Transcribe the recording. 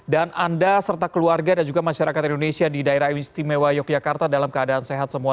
dan anda serta keluarga dan juga masyarakat indonesia di daerah istimewa yogyakarta dalam keadaan sehat semua